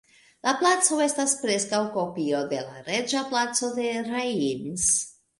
La placo estas preskaŭ kopio de la Reĝa Placo de Reims.